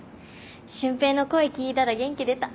瞬平の声聞いたら元気出た。